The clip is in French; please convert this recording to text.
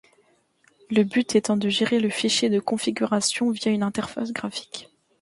Le but étant de gérer le fichier de configuration via une interface graphique.